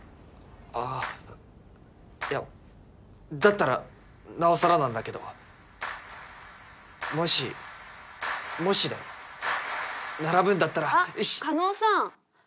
あっいやだったらなおさらなんだけどもしもしだよ並ぶんだったらいっあっ叶さん